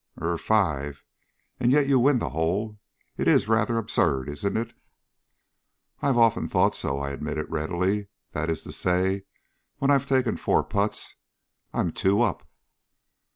"Er five. And yet you win the hole. It is rather absurd, isn't it?" "I've often thought so," I admitted readily. "That is to say, when I've taken four putts. I'm two up."